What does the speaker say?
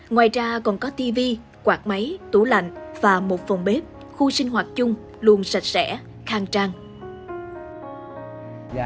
ngoài ra còn có tv quạt máy tủ lạnh và một phòng bếp khu sinh hoạt chung luôn sạch sẽ khang trang